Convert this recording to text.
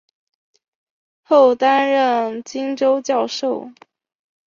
后担任琼州教授。